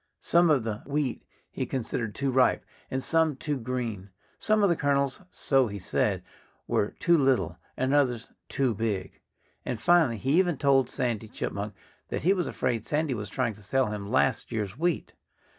Some of the wheat he considered too ripe, and some too green. Some of the kernels so he said were too little, and others too big. And finally he even told Sandy Chipmunk that he was afraid Sandy was trying to sell him last year's wheat.